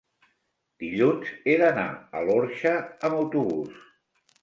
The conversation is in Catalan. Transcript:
Dilluns he d'anar a l'Orxa amb autobús.